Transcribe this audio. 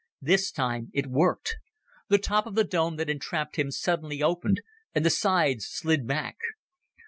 This time it worked. The top of the dome that entrapped him suddenly opened, and the sides slid back.